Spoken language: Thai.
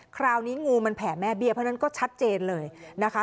คราวนี้งูมันแผ่แม่เบี้ยเพราะฉะนั้นก็ชัดเจนเลยนะคะ